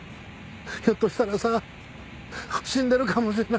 ひょっとしたらさ死んでるかもしれない。